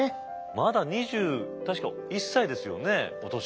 まだ確か２１歳ですよねお年。